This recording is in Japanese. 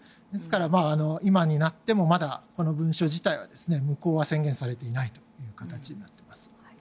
ですから、今になってもまだこの文書自体は無効は宣言されていない形になっています。